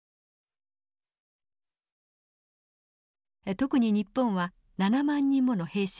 特に日本は７万人もの兵士を派遣。